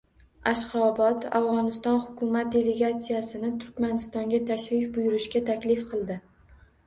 Ashxobod Afg‘oniston hukumat delegatsiyasini Turkmanistonga tashrif buyurishga taklif qildi